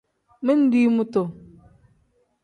Mindi mutu.